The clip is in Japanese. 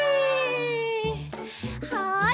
はい。